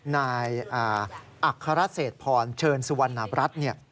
นายอัครเศษพรเชิญสุวรรณบรัฐ